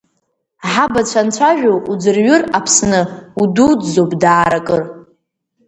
Ҳабацәа анцәажәо уӡырҩыр, Аԥсны, удуӡӡоуп даара кыр.